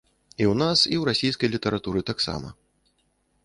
І ў нас, і ў расійскай літаратуры таксама.